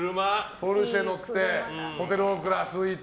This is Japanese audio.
ポルシェに乗ってホテルオークラのスイート。